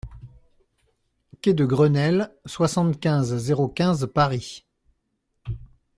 Quai de Grenelle, soixante-quinze, zéro quinze Paris